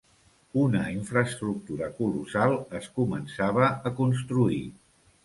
Una infraestructura colossal es començava a construir.